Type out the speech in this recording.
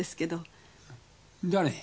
誰？